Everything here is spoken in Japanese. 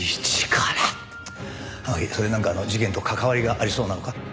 天樹それはなんか事件と関わりがありそうなのか？